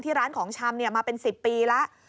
ที่ร้านของชำเนี่ยมาเป็น๑๐ปีแล้ว